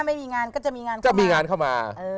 ไม่มีงานก็จะมีงานเข้ามา